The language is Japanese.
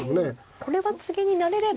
これが次に成れれば。